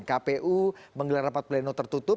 kpu menggelar rapat pleno tertutup